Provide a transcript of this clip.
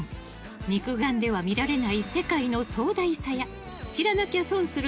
肉眼では見られない世界の壮大さや知らなきゃ損する